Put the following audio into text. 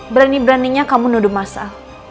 berani beraninya kamu nuduh massa